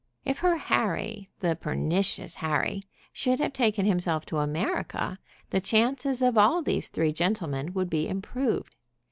If her Harry, the pernicious Harry, should have taken himself to America, the chances of all these three gentlemen would be improved.